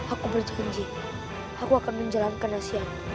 aku berjanji aku akan menjalankan nasihat